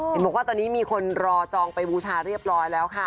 เห็นบอกว่าตอนนี้มีคนรอจองไปบูชาเรียบร้อยแล้วค่ะ